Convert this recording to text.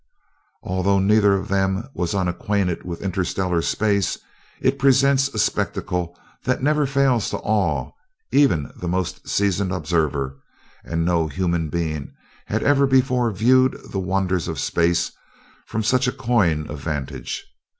Although neither of them was unacquainted with interstellar space, it presents a spectacle that never fails to awe even the most seasoned observer: and no human being had ever before viewed the wonders of space from such a coign of vantage.